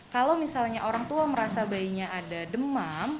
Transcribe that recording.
kalau misalnya orang tua merasa bayinya ada demam